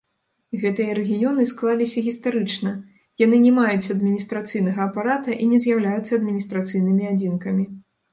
Гэтыя рэгіёны склаліся гістарычна, яны не маюць адміністрацыйнага апарата і не з'яўляюцца адміністрацыйнымі адзінкамі.